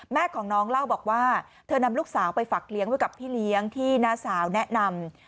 แม่ของน้องเล่าบอกว่าเธอนำลูกสาวไปฝักเลี้ยงไว้กับพี่เลี้ยงที่น้าสาวแนะนำ